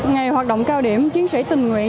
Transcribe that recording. ngày hoạt động cao điểm chiến sĩ tình nguyện